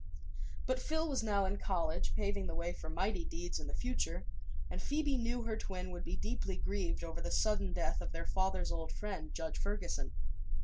But Phil was now in college, paving the way for mighty deeds in the future, and Phoebe knew her twin would be deeply grieved over the sudden death of their father's old friend, Judge Ferguson.